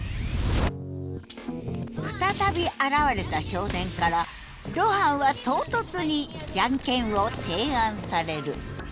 再び現れた少年から露伴は唐突に「ジャンケン」を提案される。